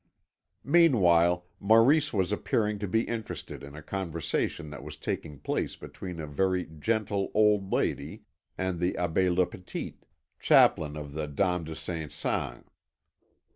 Meanwhile Maurice was appearing to be interested in a conversation that was taking place between a very gentle old lady and the Abbé Lapetite, Chaplain to the Dames du Saint Sang.